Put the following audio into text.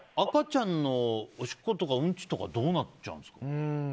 赤ちゃんのおしっことかうんちとかはどうなるんですか？